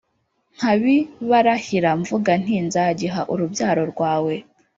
nkabibarahira mvuga nti ’nzagiha urubyaro rwawe.’